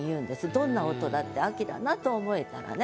どんな音だって秋だなと思えたらね。